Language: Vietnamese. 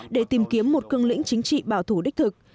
để tìm kiếm một cương lĩnh chính trị bảo thủ đích thực